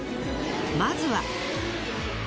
まずは。